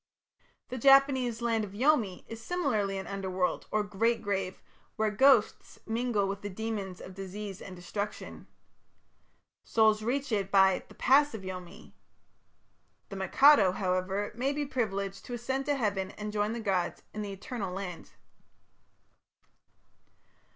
The Japanese "Land of Yomi" is similarly an underworld, or great grave, where ghosts mingle with the demons of disease and destruction. Souls reach it by "the pass of Yomi". The Mikado, however, may be privileged to ascend to heaven and join the gods in the "Eternal Land".